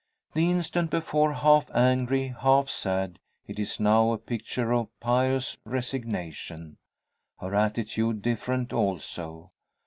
The instant before half angry, half sad, it is now a picture of pious resignation! Her attitude different also.